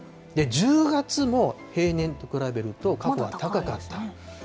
１０月も平年と比べると過去高かった。